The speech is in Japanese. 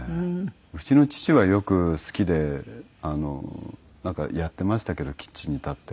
うちの父はよく好きでなんかやってましたけどキッチンに立って。